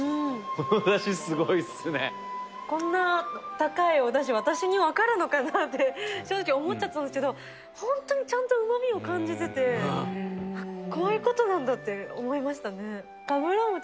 このダシすごいっすねこんな高いおダシ私に分かるのかなって正直思っちゃったんですけどホントにちゃんと旨味を感じててこういうことなんだって思いましたね